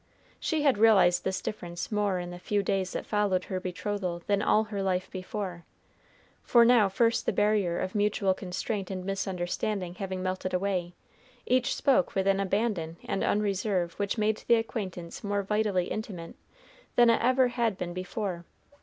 She had realized this difference more in the few days that followed her betrothal than all her life before, for now first the barrier of mutual constraint and misunderstanding having melted away, each spoke with an abandon and unreserve which made the acquaintance more vitally intimate than ever it had been before.